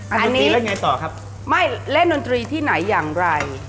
อันนี้เล่นไงต่อครับไม่เล่นดนตรีที่ไหนอย่างไร